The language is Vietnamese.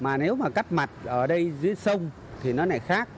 mà nếu mà cắt mặt ở đây dưới sông thì nó lại khác